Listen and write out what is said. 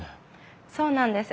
そうなんです。